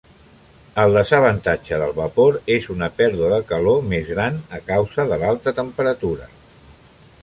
El desavantatge del vapor és una pèrdua de calor més gran a causa de l'alta temperatura.